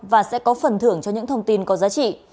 và sẽ có phần thưởng cho những thông tin có giá trị